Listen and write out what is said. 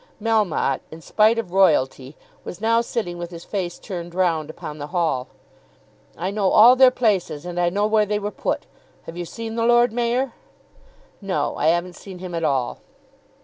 Melmotte, in spite of royalty, was now sitting with his face turned round upon the hall. "I know all their places, and I know where they were put. Have you seen the Lord Mayor?" "No; I haven't seen him at all."